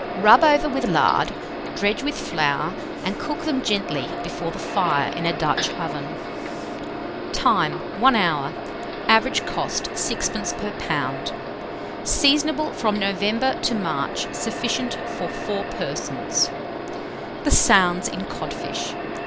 Rub over with lard, dredge with flour, and cook them gently before the fire in a Dutch oven. Time. 1 hour. Average cost, 6d. per lb. Seasonable from November to March. Sufficient for 4 persons. THE SOUNDS IN CODFISH.